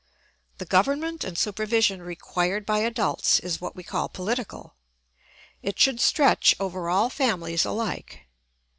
The government and supervision required by adults is what we call political; it should stretch over all families alike.